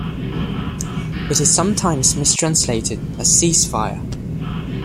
It is sometimes mistranslated as "cease-fire".